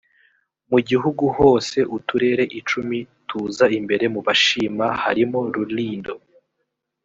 mu gihugu hose uturere icumi tuza imbere mu bashima harimo rulindo